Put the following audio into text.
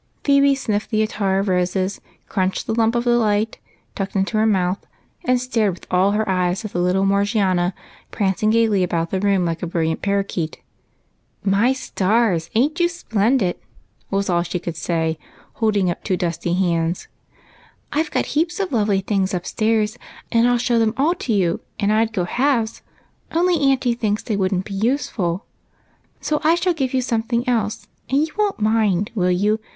" Phebe sniffed attar of rose, crunched the " Lump of Delight " tucked into her mouth, and stared with all her eyes at little Morgiana prancing about the room like a brilliant paroquet. 5Q EIGHT COUSINS. "My stars, ain't you sj^lendid !" was all she could say, holding up two dusty hands. Rose and Phebe. " I Ve got heaps of lovely things upstairs, and I '11 show them all to you, and I 'd go halves, only auntie thinks they would n't be useful, so I shall give you A BELT AND A BOX. 57 something else; and you won't mind, will you?